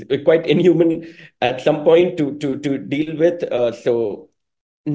yang cukup tidak manusia untuk dihadapi